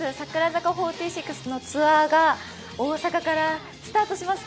櫻坂４６のツアーが大阪からスタートします。